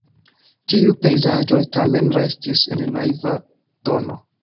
Tiuj pejzaĝoj tamen restis en naiva tono.